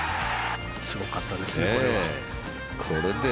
すごかったです、これは。